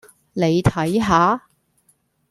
你睇吓